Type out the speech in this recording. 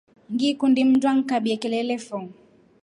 Ngikundi mndu alingikabia kelele fo.